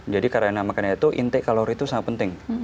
jadi karena makanan itu inti kalori itu sangat penting